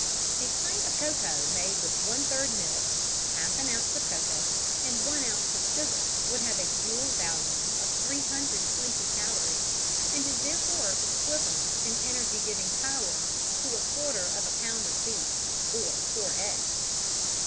A pint of cocoa made with one third milk, half an ounce of cocoa, and one ounce of sugar would have a fuel value of 320 calories, and is therefore equivalent in energy giving power to a quarter of a pound of beef or four eggs.